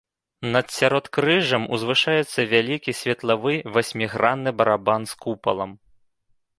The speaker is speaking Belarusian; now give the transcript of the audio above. Над сяродкрыжжам узвышаецца вялікі светлавы васьмігранны барабан з купалам.